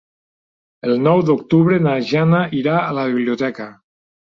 El nou d'octubre na Jana irà a la biblioteca.